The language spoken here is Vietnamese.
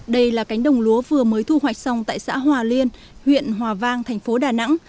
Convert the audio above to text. đây là cánh đồng lúa vừa mới thu hoạch xong tại xã hòa liên huyện hòa vang thành phố đà nẵng